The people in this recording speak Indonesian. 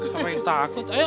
sampai takut ayo